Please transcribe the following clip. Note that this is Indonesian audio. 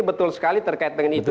betul sekali terkait dengan itu